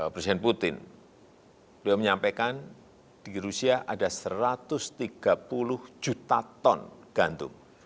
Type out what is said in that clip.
presiden putin beliau menyampaikan di rusia ada satu ratus tiga puluh juta ton gantung